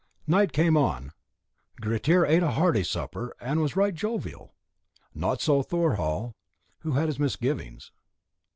Night came on; Grettir ate a hearty supper and was right jovial; not so Thorhall, who had his misgivings.